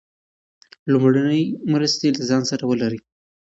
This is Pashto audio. لومړنۍ مرستې له ځان سره ولرئ.